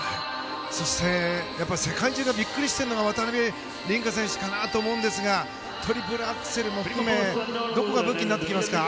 そして世界中がびっくりしているのは渡辺倫果選手かなと思うんですがトリプルアクセル含めどこが武器になってきますか。